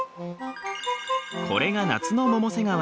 これが夏の百瀬川。